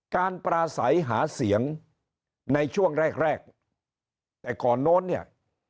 การปราศัยหาเสียงในช่วงแรกแรกแต่ก่อนโน้นเนี่ย